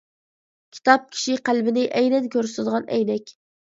كىتاب كىشى قەلبىنى ئەينەن كۆرسىتىدىغان ئەينەك.